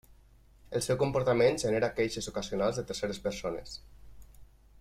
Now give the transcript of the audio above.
El seu comportament genera queixes ocasionals de terceres persones.